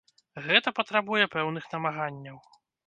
Гэта патрабуе пэўных намаганняў.